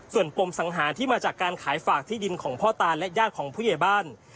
ส่วนปมสังหารที่มาจากการขายฝากที่ดินของพ่อตาและญาติของผู้ใหญ่บ้าน